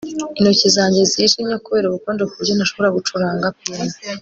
intoki zanjye zijimye kubera ubukonje kuburyo ntashobora gucuranga piyano